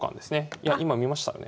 いや今見ましたよね。